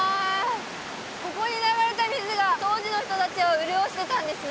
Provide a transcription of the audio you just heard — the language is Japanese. ここに流れた水が当時の人達を潤してたんですね